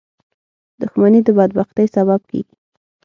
• دښمني د بدبختۍ سبب کېږي.